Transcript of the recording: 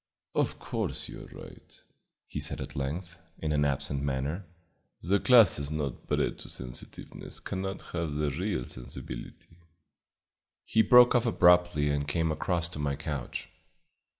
"Of course you are right," he said at length, in an absent manner. "The classes not bred to sensitiveness cannot have the real sensibility " He broke off abruptly and came across to my couch.